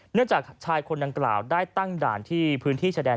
จากชายคนดังกล่าวได้ตั้งด่านที่พื้นที่ชายแดน